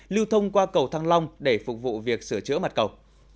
lưu thông qua cầu thăng long để phục vụ việc sửa chữa mặt cầu